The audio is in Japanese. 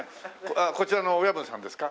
こちらの親分さんですか？